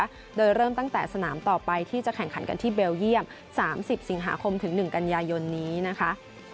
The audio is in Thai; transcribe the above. โดยเริ่มตั้งแต่สนามต่อไปที่จะแข่งขันกันที่เบลเยี่ยม๓๐สิงหาคมถึง๑กันยายนนี้นะคะ